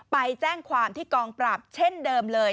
ไปแจ้งความที่กองปราบเช่นเดิมเลย